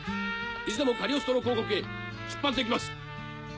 いつでもカリオストロ公国へ出発できます。